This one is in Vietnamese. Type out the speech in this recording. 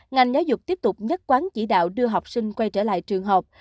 ngành giáo dục tiếp tục nhất quán chỉ đạo đưa học sinh quay trở lại trường học